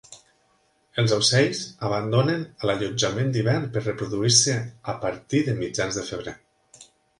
Els ocells abandonen l'allotjament d'hivern per reproduir-se a partir de mitjans de febrer.